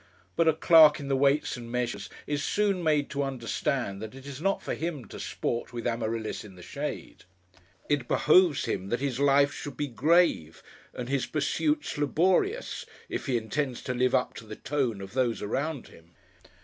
But a clerk in the Weights and Measures is soon made to understand that it is not for him to Sport with Amaryllis in the shade. It behoves him that his life should be grave and his pursuits laborious, if he intends to live up to the tone of those around him.